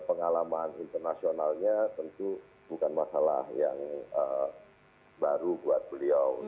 pengalaman internasionalnya tentu bukan masalah yang baru buat beliau